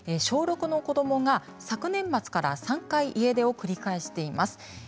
小６の子どもが昨年末から３回、家出を繰り返しています。